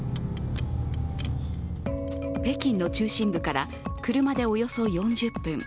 北京の中心部から車でおよそ４０分。